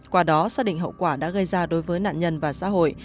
qua đó xác định hậu quả đã gây ra đối với nạn nhân và xã hội